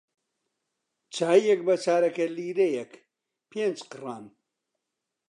چایییەک بە چارەگە لیرەیەک پێنج قڕان